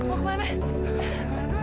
kamu sudah volatility coba sudah